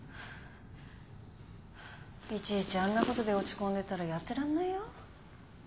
いちいちあんなことで落ち込んでたらやってらんないよ。